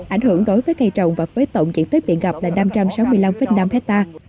ảnh hưởng đối với cây trồng và với tổng diện tích biển gặp là năm trăm sáu mươi năm năm hectare